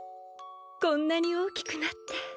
こんなに大きくなって。